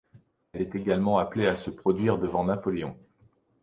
Elle est également amenée à se produire devant Napoléon.